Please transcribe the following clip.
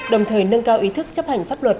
đồng thời nâng cao ý thức chấp hành pháp luật